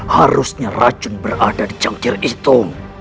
harusnya racun berada di cangkir itu